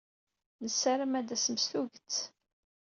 Nessaram ad d-tasem s tuget.